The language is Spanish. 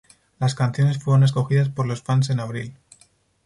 Las canciones fueron escogidas por los fans en abril.